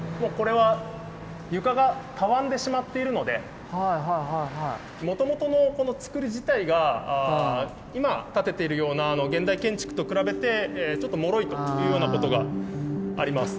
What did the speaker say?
もうこれはもともとのこの造り自体が今建ててるような現代建築と比べてちょっともろいというようなことがあります。